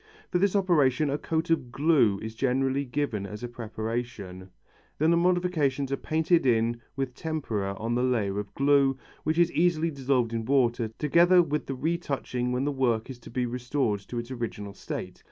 For this operation a coat of glue is generally given as a preparation, then the modifications are painted in with tempera on the layer of glue, which is easily dissolved in water, together with the retouching when the work is to be restored to its original state.